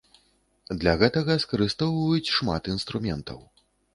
Для гэтага скарыстоўваюць шмат інструментаў.